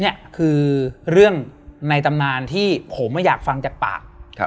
นี่คือเรื่องในตำนานที่ผมอยากฟังจากปาก